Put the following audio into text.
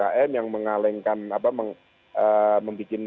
jadi kita bisa langsung mengedukasi kepada ukm yang mengalenkan